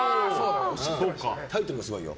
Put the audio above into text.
タイトルすごいよ。